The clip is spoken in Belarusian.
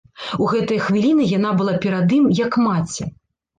У гэтыя хвіліны яна была перад ім, як маці.